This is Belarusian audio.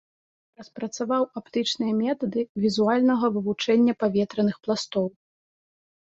Распрацаваў аптычныя метады візуальнага вывучэння паветраных пластоў.